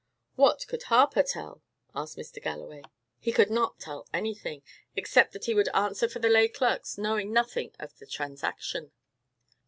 "What could Harper tell?" asked Mr. Galloway. "He could not tell anything; except that he would answer for the lay clerks knowing nothing of the transaction.